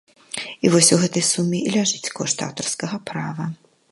І вось у гэтай суме і ляжыць кошт аўтарскага права.